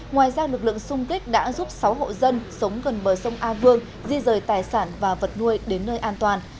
ngoài ra lực lượng sung kích đã giúp sáu hộ dân sống gần bờ sông a vương di rời tài sản và vật nuôi đến nơi an toàn